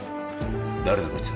誰だこいつ